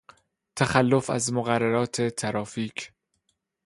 تخلف از مقررات ترافیک